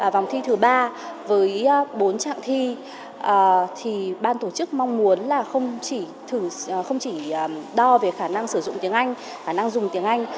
vòng thi thứ ba với bốn trạng thi thì ban tổ chức mong muốn là không chỉ không chỉ đo về khả năng sử dụng tiếng anh khả năng dùng tiếng anh